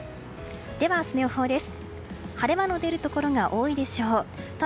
では、明日の予報です。